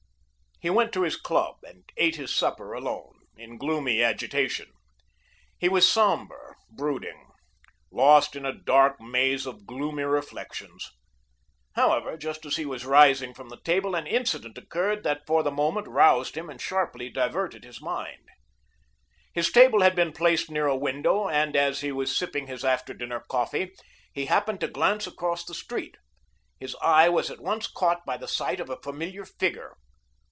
He went to his club and ate his supper alone, in gloomy agitation. He was sombre, brooding, lost in a dark maze of gloomy reflections. However, just as he was rising from the table an incident occurred that for the moment roused him and sharply diverted his mind. His table had been placed near a window and as he was sipping his after dinner coffee, he happened to glance across the street. His eye was at once caught by the sight of a familiar figure.